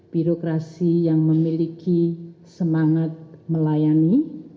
birokrasi yang memiliki semangat melayani